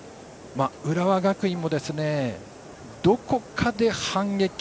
浦和学院もどこかで反撃。